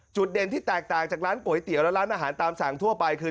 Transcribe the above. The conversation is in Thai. เด่นที่แตกต่างจากร้านก๋วยเตี๋ยวและร้านอาหารตามสั่งทั่วไปคือ